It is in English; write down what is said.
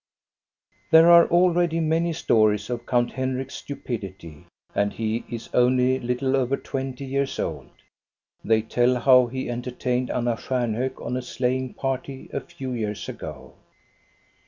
There are already many stories of Count Henrik's stupidity, and he is only a little over twenty years old. They tell how he entertained Anna Stjarnhok on a sleighing party a few years ago.